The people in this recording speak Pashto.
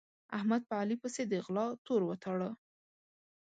احمد په علي پسې د غلا تور وتاړه.